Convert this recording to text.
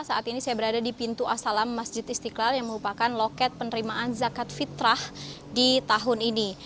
saat ini saya berada di pintu asalam masjid istiqlal yang merupakan loket penerimaan zakat fitrah di tahun ini